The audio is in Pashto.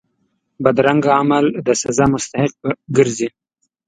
بدرنګه عمل د سزا مستحق ګرځي